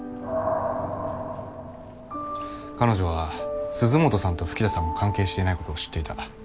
彼女は鈴本さんと吹田さんが関係していない事を知っていた。